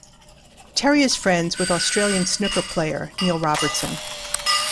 Terry is friends with Australian snooker player Neil Robertson.